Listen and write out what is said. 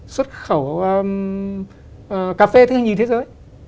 xuất khẩu cà phê thứ hai nhì thế giới